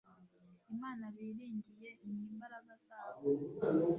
imana biringiye ni imbaraga zabo